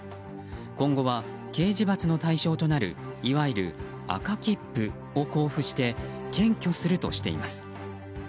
今後は刑事罰の対象となるいわゆる赤切符を交付して検挙するとしています。